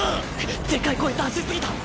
でかい声出し過ぎた。